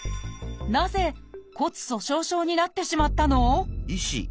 なぜ骨粗しょう症になってしまったの？